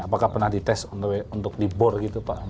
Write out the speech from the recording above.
apakah pernah dites untuk dibor gitu pak